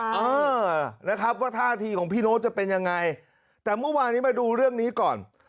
เออนะครับว่าท่าทีของพี่โน๊ตจะเป็นยังไงแต่เมื่อวานนี้มาดูเรื่องนี้ก่อน